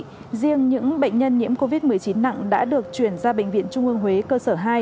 để điều trị riêng những bệnh nhân nhiễm covid một mươi chín nặng đã được chuyển ra bệnh viện trung ương huế cơ sở hai